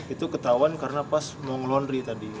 itu ketahuan karena pas mau ngeloundry tadi